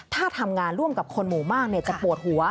ถ้าทำงานร่วมกับคนหมู่มากจะปวดหัว